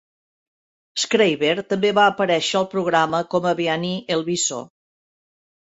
Schreiber també va aparèixer al programa, com a Beanie el bisó.